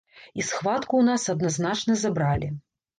І схватку ў нас адназначна забралі.